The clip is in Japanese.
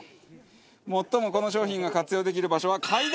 最もこの商品が活用できる場所は階段！